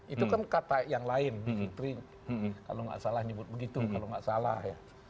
itu kan kata yang lain putri kalau nggak salah nyebut begitu kalau nggak salah ya